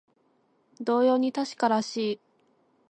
同様に確からしい